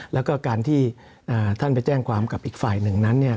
แล้วก็การที่ท่านไปแจ้งความกับอีกฝ่ายหนึ่งนั้นเนี่ย